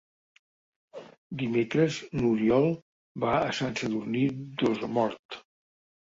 Dimecres n'Oriol va a Sant Sadurní d'Osormort.